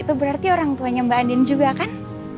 itu berarti orang tuanya mbak andin juga kan